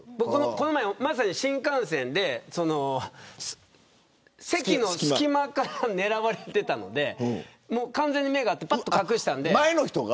この前まさに新幹線で席の隙間から狙われていたので完全に目が合って、隠したんで。